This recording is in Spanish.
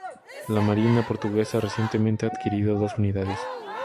La Marina portuguesa recientemente ha adquirido dos unidades.